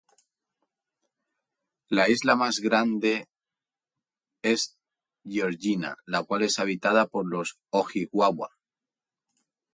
La isla más grande es Georgina la cual es habitada por los Ojibwa.